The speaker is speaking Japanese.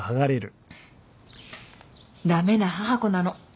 駄目な母子なの。